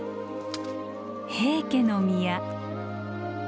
平家之宮。